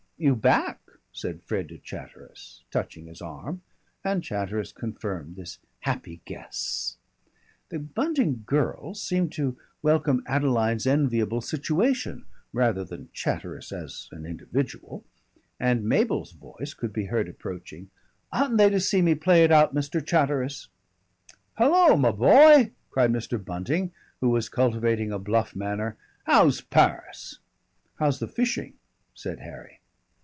"You back?" said Fred to Chatteris, touching his arm, and Chatteris confirmed this happy guess. The Bunting girls seemed to welcome Adeline's enviable situation rather than Chatteris as an individual. And Mabel's voice could be heard approaching. "Oughtn't they to see me play it out, Mr. Chatteris?" "Hullo, Harry, my boy!" cried Mr. Bunting, who was cultivating a bluff manner. "How's Paris?" "How's the fishing?" said Harry.